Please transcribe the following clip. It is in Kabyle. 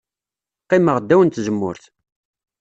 Qqimeɣ ddaw n tzemmurt.